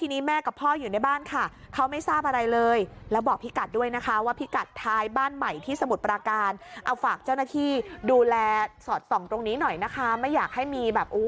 นี้หน่อยนะคะไม่อยากให้มีแบบ